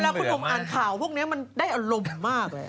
เวลาคุณอมอ่านข่าวพวกนี้มันได้อารมณ์มาก